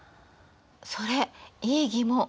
それいい疑問！